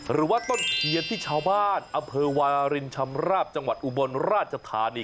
หรือว่าต้นเทียนที่ชาวบ้านอำเภอวารินชำราบจังหวัดอุบลราชธานี